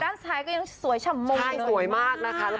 เด้านซ้ายก็ยังสวยฉมมุมเลยมากแล้วต้องบอกว่าพี่ฮันนี่เนี่ย